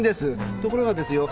ところがですよ